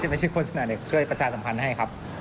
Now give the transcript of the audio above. ไม่ใช่โฆษณาเด็กช่วยประชาสัมพันธ์ให้ครับ